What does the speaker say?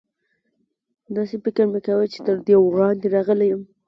داسې فکر مې کاوه چې تر دې وړاندې راغلی یم.